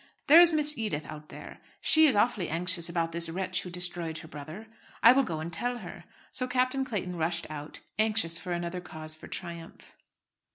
There is Miss Edith out there. She is awfully anxious about this wretch who destroyed her brother. I will go and tell her." So Captain Clayton rushed out, anxious for another cause for triumph.